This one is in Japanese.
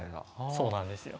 そうなんですよ。